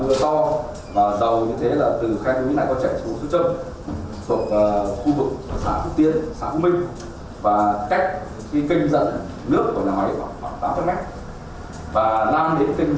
và có trao đổi nhằm làm rõ vụ việc với sở tài nguyên và môi trường